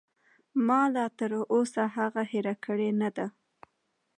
ما لاتر اوسه هغه هېره کړې نه ده.